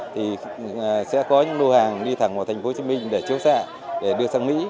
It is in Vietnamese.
thì sẽ có những lô hàng đi thẳng vào thành phố hồ chí minh để chiếu xạ để đưa sang mỹ